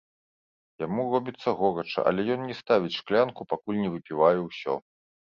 Яму робіцца горача, але ён не ставіць шклянку, пакуль не выпівае ўсё.